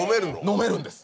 飲めるんです！